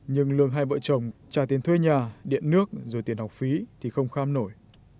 nhưng lương hai vợ chồng trả tiền thuê nhà điện nước rồi tiền học phí thì không kham nổi